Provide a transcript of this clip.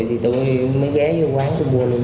thì tôi nhớ cái cái gì bạn mua luôn